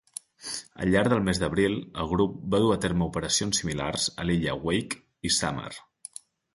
Al llarg del mes d'abril el grup va dur a terme operacions similars a l'illa Wake i Samar.